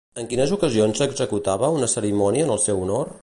En quines ocasions s'executava una cerimònia en el seu honor?